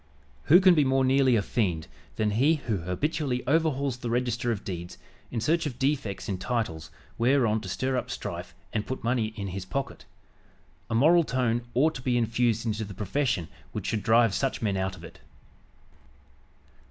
Who can be more nearly a fiend than he who habitually overhauls the register of deeds in search of defects in titles whereon to stir up strife and put money in his pocket. A moral tone ought to be infused into the profession which should drive such men out of it."